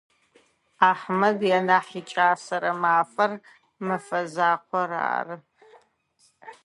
Ахьмэд янахь икӏасэрэ мэфэр мэфэзакъор ары.